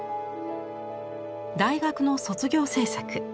大学の卒業制作。